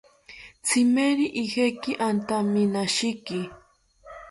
Tzimeri ijeki antamimashiki